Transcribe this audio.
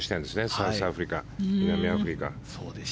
サウスアフリカ、南アフリカ。